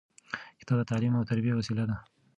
کتاب د تعلیم او تربیې وسیله ده.